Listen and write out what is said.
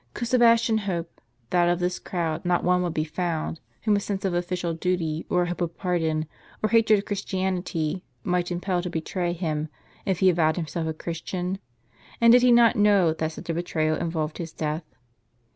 Could Sebastian hope, that of this crowd not one would be found, whom a sense of official duty, or a hope of pardon, or hatred of Christianity, might impel to betray him, if he avowed him self a Christian ? And did he not know that such a betrayal involved his death